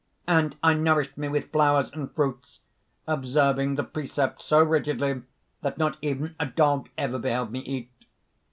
_) "And I nourished me with flowers and fruits, observing the precepts so rigidly that not even a dog ever beheld me eat.